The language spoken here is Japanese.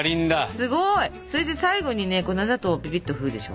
すごい！それで最後にね粉砂糖をピピッとふるでしょ。